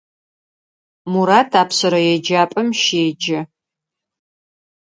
Мурат апшъэрэ еджапӏэм щеджэ.